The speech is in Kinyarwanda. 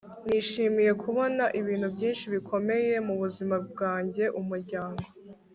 nishimiye kubona ibintu byinshi bikomeye mubuzima bwanjye - umuryango